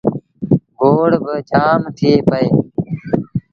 گوڙ باجآم ٿئي پئيٚ۔